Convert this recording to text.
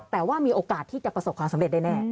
แต่ว่ามีโอกาสที่จะประสบความสำเร็จได้แน่